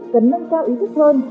cần nâng cao ý thức hơn